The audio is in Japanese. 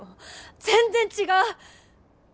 全然違う！